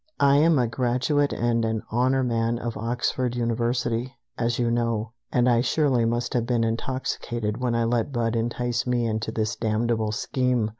"I am a graduate and an honor man of Oxford University, as you know, and I surely must have been intoxicated when I let Budd entice me into his damnable scheme!